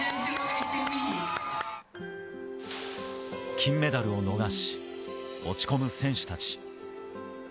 金メダルを逃し、落ち込む選手たち。